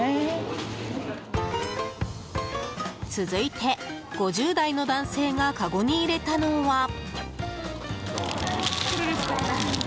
続いて、５０代の男性がかごに入れたのは。